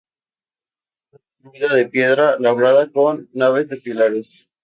Fue construida de piedra labrada con naves de pilares.